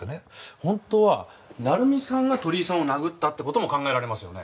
本当は成美さんが鳥居さんを殴ったって事も考えられますよね？